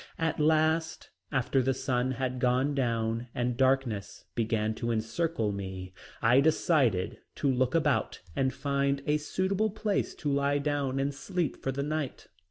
At last, after the sun had gone down and darkness began to encircle me, I decided to look about and find a suitable place to lie down and sleep for the night.